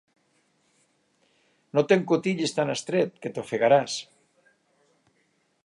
No t'encotillis tan estret, que t'ofegaràs!